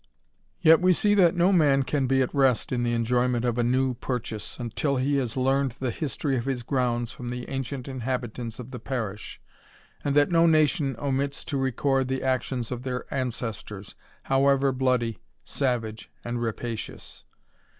Yet we see that no THE RAMBLER, 169 Tnan can be at rest in the enjoyment of a new purchase, till he has learned the history of his grounds from the ancient inhabitants of the parish, and that no nation omits to record the actions of their ancestors, however bloody, savage, and rapacious.